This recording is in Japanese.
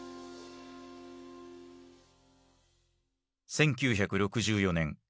１９６４年。